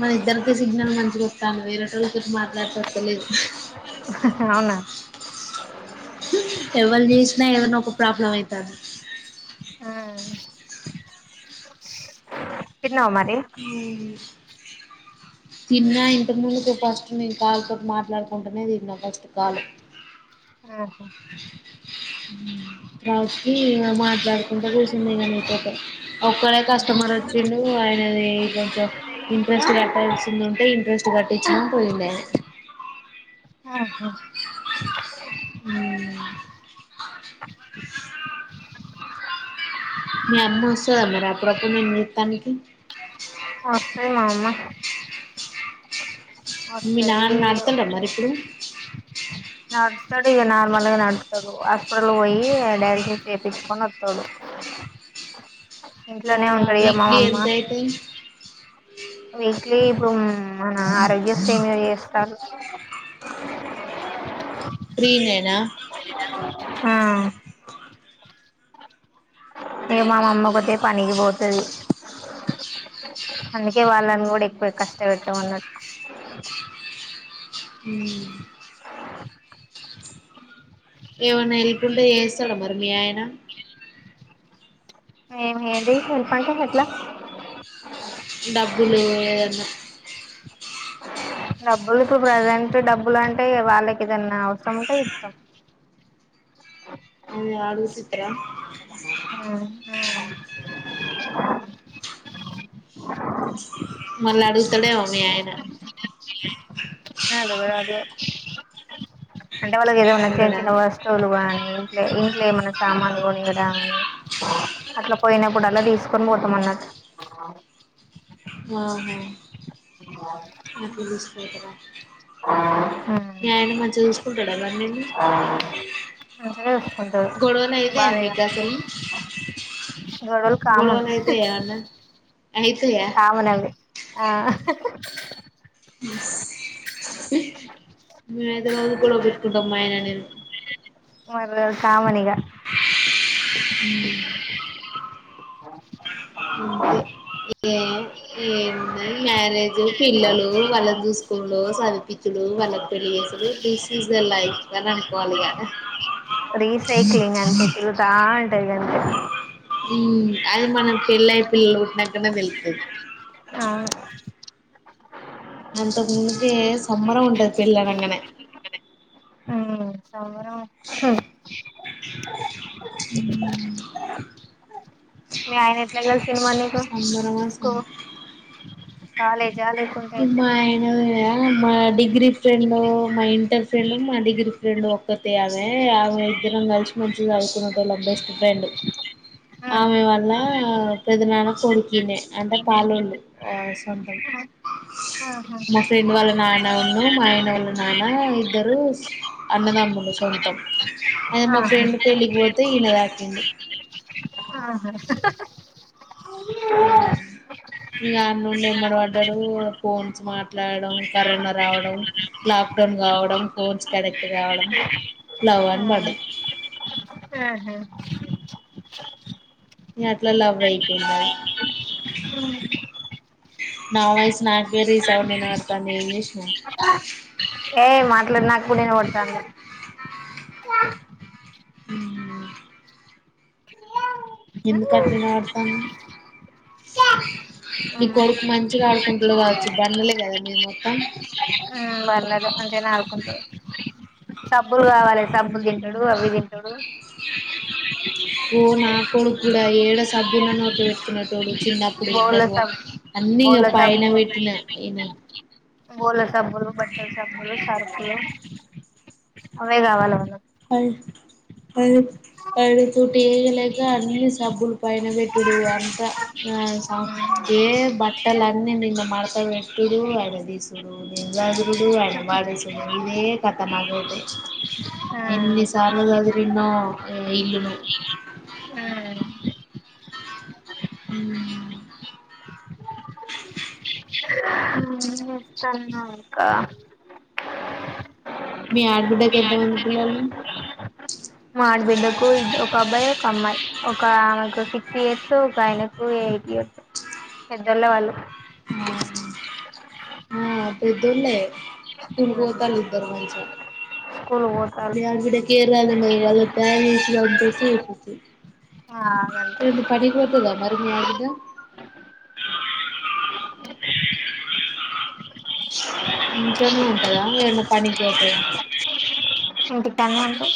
మన ఇద్దరిక సిగ్నల్ మంచిగా వస్తాను వేరేటోళ్ళతో మాట్లాడిత వస్తలేదు అవునా ఎవరు చేసినా ఎవరినా ఒక ప్రాబ్లం అవుతుంది ఆ కన్న ఉ మరి తిన్నా ఇంటి ముందుకు ఫస్ట్ నేను కాల్ తో మాట్లాడుకుంటూనే తిన్నా ఫస్ట్ కాల్ అ రాకి మాట్లాడుకుంటూ కూర్చంది కానీతో ఒక్కడే కస్టమర్ వచ్చిండు ఆయనది కొంచెం ఇంట్రెస్ట్ కట్టాల్సింది ఉంటే ఇంట్రెస్ట్ కట్టించిన పోయింది ఆయన ఆహా మీ అమ్మ వస్తుదా మరి అప్పుడప్పుడు నేను నీత్తానికి ఆ సే మా అమ్మ మీ వస్తది నాన్న అడుతండ మరి ఇప్పుడు నడుతాడు ఇక నార్మల్గా నడుతాడు హాస్పిటల్ పోయి డయాలసిస్ చేయించుకొని వస్తాడు ఇంట్లోనే అవునా వీక్లీ ఉండపగామ్మామమ్మ ఎంత అయితది వీక్లీ ఇప్పుడు మన ఆరోగ్య సేమ చేస్తారు ప్రీనేనా ఆ ఇక మామమ్మ కొట్టే పనికి పోతుది అందుకే వాళ్ళని కూడా ఎక్కువ కష్ట పెట్టామన్నట్టు ఏనా ఎల్కుండ ఏ స్థలం మర్మయనా హది హల్ పంట హట్లా డబ్బులు ఏదన్నా డబ్బులు ఇప్పుడు ప్రజెంట్ డబ్బులు అంటే వాళ్ళకి ఇదన్న అవసరంంటే ఇష్టం అ ఆడుగుతుత్ర మళ్ళ అడుగుతడేమో మీ ఆయన [unintelligible] అదు అంటే వాళ్ళది ఇద ఉన్నా అడగడా చిన్న [unintelligible] ఇంట్ ఇంట్లో ఏమన్నా సామానులు కొనియడం అని అట్లా పోయినప్పుడు అలా తీసుకొని పోతాం అ ఆహా అపుడు తీసుకపోతారా మీ ఆయన మాటలు మంచిగా చూసుకుంటాడా మరి నిన్ను చూసుకుంటాడు గొడవలు అయితాయా బానే గా మీకు అసలు [unintelligible] కామం అయితేయా ఆ ఉ మేమైతే రోజూ గొడవ పెట్టుకుంటాం మా ఆయన నేను మాకు రోజూ కామన్ ఇగ అంతే ఏం ఏందో ఈ మ్యారేజ్ పిల్లలు వాళ్ళం చూసుకునుడు చదివిపించుడు వాళ్ళ పెళ్ళి జేసుడు థిస్ ఇస్ ద లైఫ అని అనుకోవాలి ఇగ రీసైక్లింగ్ అంతే తిరుగుత ఉంటది ఇగ అంతే ఊమ్ అది మనకి పెళ్లై పిల్లలు పుట్టినకనే తెలుస్తది అవును అంతకు ముందే సంబరం ఉంటది పెళ్ళి అనంగానే ఉమ్ సంబరం మీ ఆయన ఎట్లా కలిసిండు మరీ నీకు సంబరమా సం స్కూల్ కాలేజ్ మా ఆయన యా [unintelligible] డిగ్రీ ఫ్రెండ్ మా ఇంటర్ ఫ్రెండ్ మా డిగ్రీ ఫ్రెండ్ ఒక్కతే అమే ఆమె ఇద్దరం కలిసి కలిసి చదుకునేటోళ్లం బెస్ట్ ఫ్రెండ్ ఆమె ఉమ్ వాల్ల పెదనాన్న కొడుకినే అంటే పాలొల్లు ఆ సొంతం ఆహా మా ఫ్రెండ్ వాళ్ళ నాన్న [unintelligible] మాయన వాళ్ళు నాన్న ఇద్దరు అన్నదమ్ములు సొంతం అదే మా ఆహా ఫ్రెండ్ పెళ్ళికి పోతే ఈయన కలిసిండు ఆహా మ ఇకా ఆన్నుండి ఎమ్మడి పడ్డాడు ఫోన్స్ మాట్లాడడం కరోనా రావడం లాక్ డౌన్ కావడం ఫోన్స్ కనెక్ట్ కావడం లవ్ అని పడది హ అట్లా లవ్ అయిపోయింద నా వాయిస్ నాకే రీసౌండ్ ఇన్స్పడతండీ ఏం చేసినవ్ ఏయ్ మాట్లాడి [unintelligible] నేను కొడతానా ఉ ఎందుకు అంటునాడు తను నీ అవునా కొడుకు మంచిగా ఆడుకుంటాడు కావచ్చు బండలే కదా మీది మొత్తం ఆ బండలు మచిగానే ఆడుకుంటారు సబ్బులు కావాలి సబ్బులు తింటాడు అవి తింటడు ఓ నా కొడుకు కూడా ఏడ సబ్బున్న నోట్లో పెట్టుకునేటోడు చిన్నప్పుడు బోల్ల బబవా సబ్బు అన్ని ఇగా బోల్ల పైన పెట్టిన ఈయన బోల సబ్బులు బట్టల సబ్బులు సర్ఫ్ అవే గవలే వాళ్ళకు అ పడుతూ లేయలేక అన్ని సబ్బులు పైన పెట్డుడు అంతా ఆ ఏ బట్టలన్నీ నిన్న మడతబటుడు ఆయన దీసుడు నేను సదురుడు ఆయన [unintelligible] ఇదే కథ నాకైతే ఆ ఎన్ని సార్లు సదిరిన్నో ఈ ఇల్లుని ఆ అ [unintelligible] చన్నా ఇక మీ ఆడబిడ్డకి ఎంతమంది పిల్లలు మా ఆడబిడ్డకు ఒక అబ్బాయి ఒక అమ్మాయి ఒక ఆమెకు సిక్స్ ఇయర్స్ ఒక ఆయనకు ఎయిట్ ఇయర్స్ ఇద్దరే వాళ్ళు బ [unintelligible] స్కూల్కి పోతరూ లేదు లేదు వాళ్ళకి క్యారీలు కలిపేసి ఏమన్న పనికి పోతద మరి మీ ఆడ బిడ్డ ఇంట్లోనే ఉంటదా ఏదనా పనికి పోతదా ఇంటికాడనే ఉంటది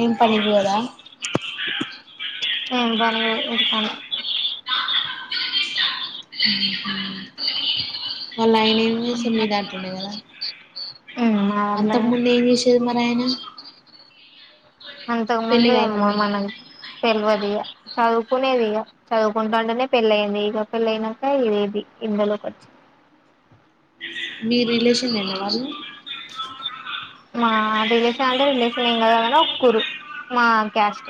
ఏం పనికి పొద ఏ బనే పోతది పనికి వాళ్ళ ఆయన ఏమి చేస్తాడు మా అంతక దాంట్లోనే ముందు ఏం చేసరూ మరి వాళ్ళయన అంతకు ముందు ఏమో మనకు తెల్వ దికా చదువు కునేది ఇక చదువుకుంటా ఉంటేనే పెళ్ళి అయ్యింది ఇక పెళ్ళి అయినాక ఇదేది ఇందలోకి వచ్చి [inaudible] మీ రిలేషన్ ఏనా వాళ్ళు మా రిలేషన్ అంటే రిలేషన్ ఏం కాదు గాను ఒక ఊరు మా క్యాస్ట్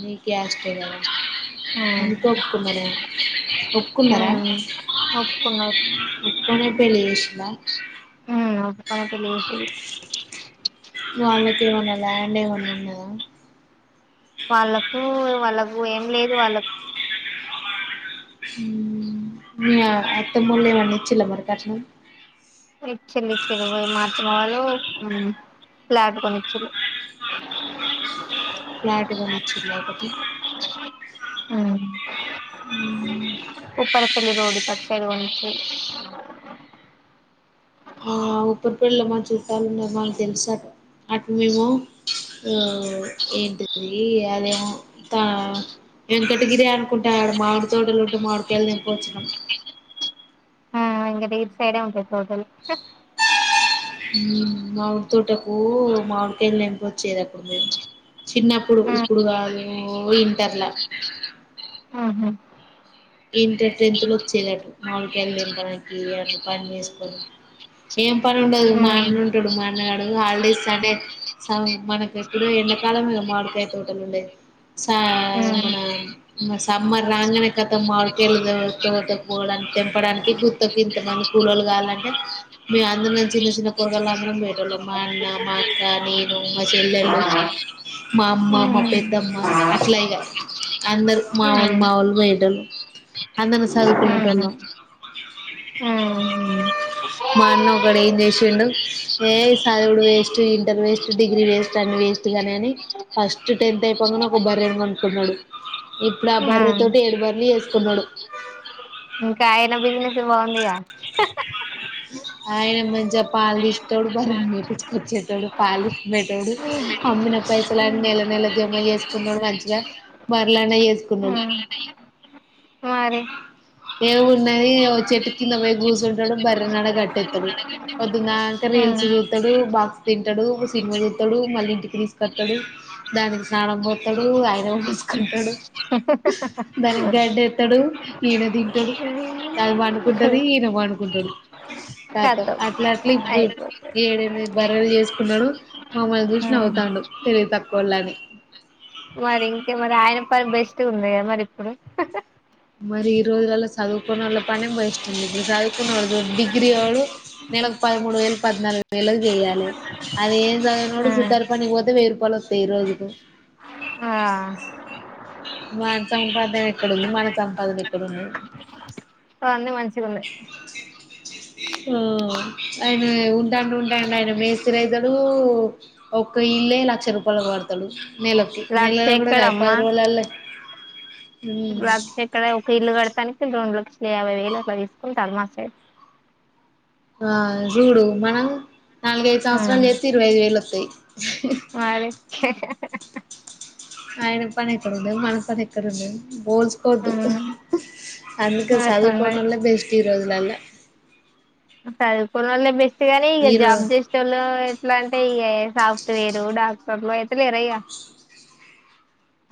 మీ కాస్ట్ అందుకే ఒప్పుకున్నారు ఏమో ఆ ఒప్పుకున్నారా ఒప్పుకున్నారు ఒప్పుకునే పెళ్లి చేసినార ఉమ్ ఒప్పుకునే పెళ్ళి చేశారు వాళ్ళ కేమన్న ల్యాండ్ ఏమన్నా ఉన్నదా వాళ్ళకు వాళ్ళకు ఏం లేదు వాళ్ళకు హమ్ మీ అత్తమ్మ వాళ్ళు ఈచిర మరి కట్నం ఇచ్చిరు యిచ్చిరు మా అత్తమ్మ వాళ్ళు ప్లాటు కొని ఇచ్చారు [inaudible] ఫ్లాట్ కొని ఇచ్చారు అయితే ఉమ్ ఉప్పరపెళ్ళి రోడుకు అటు సైడు పోయి [inaudible] ఆ ఉప్పరిపల్లిలో మా చుట్టాలు ఉన్నారూ మాకు తెలుసాట అటు మేము ఏంటిది అదేమో త వెంకటగిరి అనుకుంటాడు మామిడి తోటలుంటూ మామిడి కాయలు ఉంటే తెంపుకు వచ్చినాము ఇంకా డీప్ సైడే ఉంటాయి తోటలు మామిడి తోటకు మామిడికాయలు తెంపుకొచ్చేది అప్పుడు మేము చిన్నప్పుడు ఇప్పుడు ఉహు కాదు మేము ఇంటర్ల ఆహా ఇంటర్ టెన్త్ లో వచ్చేదట్టు మామిడి కాయలు తెంపడానికి అటు పని చేసుకోని ఏం పని ఉండదు మా ఉమ్ అన్న ఉంటాడు మా అన్నగాడు హాలిడే ఇస్తానే సవ మనకు ఇప్పుడ ఎండా కాలంలో మాడికాయలు తోటలు ఉంటాయి స ఉమ్ మన సమ్మర్ రంగానే క మాడికెళ్ళదు తోట పోడానికి తెంపడానికి గుర్త్కి ఇంతమంది కూలోలు కావాలంటే మీ అందరం చిన్న చిన్న పురగాళ్ళ అందరం పోయిటోల్లం మా అన్న మా అక్క నేను మా చెల్లెళ్ళు మా అమ్మ మా ఉమ్ పెద్దమ్మ అట్లా ఇగా అందరు మావోలు ఉహు మావోలు పోయేటోల్లు అందరం చదుకునే తొలమ్ ఉమ్ మా అన్న ఒకడ ఏం చేసిండు ఏ సదువుడు waste inter waste degree waste అం వేస్ట్ గాని అని ఫస్ట్ టెన్త్ అయిపోంగానే ఒక బర్రెని కోనుకున్నాడు ఇప్పుడు ఆ బర్రె తోటి ఏడు బర్రెలు చేసుకున్నాడు ఇంకా ఆయన బిజినెస్ బాగుందిగా ఆయన మంచిగా పాలు తీస్తాడు బర్రె ను మెప్పించుకొచ్చేతోడు పాలు పితికేతోడు అమ్మిన పైసలన్ని నెల నెల జమ చేసుకున్నడు మంచిగా మరలానే [unintelligible] [unintelligible] చేసుకున్నాడు మారే ఏ ఉన్నది ఇగ ఓ చెట్టు కిందకు పోయి కూచుంటడు బర్రెను ఆడ కట్టేత్తడు పొద్దున్నంక రీల్స్ చూతడు బాక్స్ తింటడు ఒక సినిమా చూస్తాడు మళ్ళీ ఇంటికి తీసుకొత్తడు దానికి స్నానం పోత్తడు ఆయన పోసుకుంటడు [inaudible] ఈయన తింటాడు ఉమ్ దాని పడుకుంటది ఈయన పడుకుంటడు ఖతం కతం అట్లా అట్లా ఇప్పుడు అయిపోతది ఏడెనిమి బర్రేలు చేసుకున్నడు మమ్మల్ని చూసి నవ్వుతండు తెలివి తక్కువొళ్ళు అని మరి ఇంకే మరి ఆయన పని బెస్ట్ ఉంది కదా మరి ఇప్పుడు మరి ఈ రోజులలో చదువుకొని వోళ్ళ పని భేస్టుఉంది ఇప్పుడు చదువుకున్నోల్లు చూడు డిగ్రీ వోడు నెలకు పదమూడు వేలు పద్నాలుగు వేలకి చేయాలి అది ఏం చదవనోడు సుతారు పనికి పోతే వెయ్యి రూపాయలు వ ఈ రోజుకు ఆ వాడి సంపాదన ఎక్కడుంది మన సంపాదన ఎక్కడుంది అ అన్ని మంచిగున్నై ఆ ఆయన ఉంటాండి ఉంటాండి ఆయన మేస్త్రీ అయితడు ఒక్క ఇల్లే లక్ష రూపాయలు పడతడు నెలకు లక్ష నెల కూడా ది పది ఎక్కడమ్మా రోజులల్లే లక్ష ఎక్కడ ఒక ఇల్లు కడతానికి రెండులక్ష యాబై వేలు అట్లా తీసుకుంటారు మా సైడ్ ఆ చూడు మనం నాలుగైదు సంవత్సరాలు చేత్తే ఇరవై ఐదు వేలు వత్తయి మరి ఆయన పని ఎక్కడ ఉండేది మన పని ఎక్కడ ఉండేది పోల్చుకోవద్దు అందుకే అట్లున్నది చదువుకోనోల్లే బెస్ట్ ఈ రోజులల్లో చదువుకున్నోళ్ళే బెస్ట్ గాని ఇగ రో జాబ్ చేసేటోల్లు ఇట్లా అంటే ఇగ సాఫ్ ట్వేరు డాక్టర్లు అయితలేరా ఇగ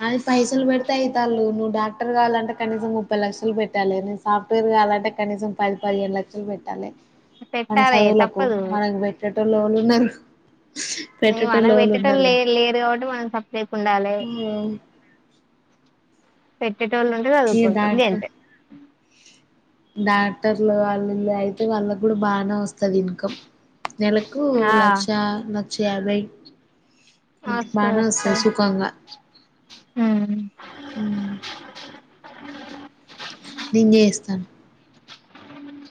అని పైసలు పెడితే అయితారు నువ్వు డాక్టర్ కావాలంటే కనీసం ముప్పై లక్షలు పెట్టాలి నేను సాఫ్ట్వేర్ అంటే కనీసం పది పదిహేను లక్షలు పెట్టాలి మన పెట్టాలే చదువులకు తప్పదు మనకు పెట్ట లోల్లూన్నరు మనకు పెట్టే టోల్లు లే లేరు కాబట్టి మనం సప్ప చేయకుండా ఉం పెట్టేటోళ్ళు ఉంటే ఈ చదువుకుంటాం డాక్టర్ గంతె డాక్టర్లు వాళ్ళు వీళ్ళు అయితే వాళ్ళకి కూడా బానే వస్తది ఇన్కమ్ నెలకు ఆ లక్ష లక్ష యాభై వస్తయి బానే వస్తది వస్తయి సుఖంగా ఉమ్ ఉం నేను చేస్తాను ఉ